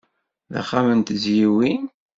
D axxam n tezyiwin.